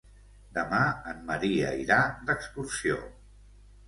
Demà en Maria irà d'excursió.